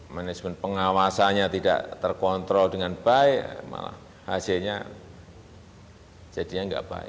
manajemen pengawasannya tidak terkontrol dengan baik malah hasilnya jadinya nggak baik